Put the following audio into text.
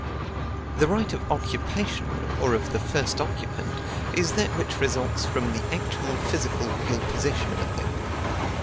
The right of OCCUPATION, or of the FIRST OCCUPANT, is that which results from the actual, physical, real possession of a thing.